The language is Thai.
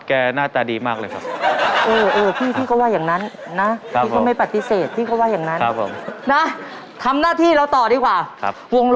ขอบคุณมากครับผม